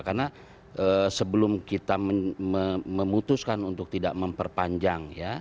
karena sebelum kita memutuskan untuk tidak memperpanjang ya